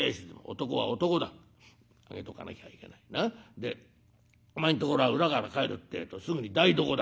でお前んところは裏から帰るってえとすぐに台所だ。